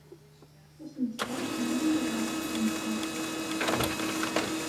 Tasnasɣalt-nni n uɣerbaz-nteɣ.